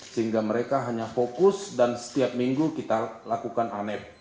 sehingga mereka hanya fokus dan setiap minggu kita lakukan anet